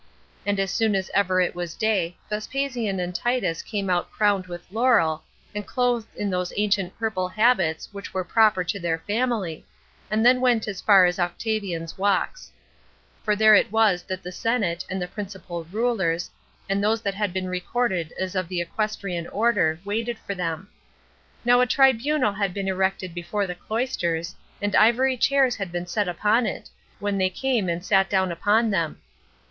And as soon as ever it was day, Vespasian and Titus came out crowned with laurel, and clothed in those ancient purple habits which were proper to their family, and then went as far as Octavian's Walks; for there it was that the senate, and the principal rulers, and those that had been recorded as of the equestrian order, waited for them. Now a tribunal had been erected before the cloisters, and ivory chairs had been set upon it, when they came and sat down upon them.